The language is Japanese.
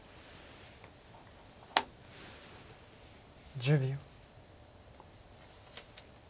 １０秒。